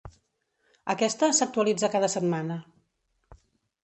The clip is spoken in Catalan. Aquesta, s'actualitza cada setmana.